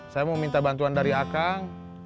saya mau minta bantuan dari akang